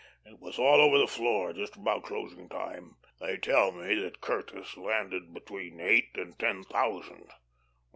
It was all over the Floor just about closing time. They tell me that Curtis landed between eight and ten thousand.